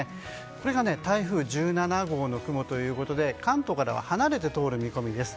これが台風１７号の雲ということで関東からは離れて通る見込みです。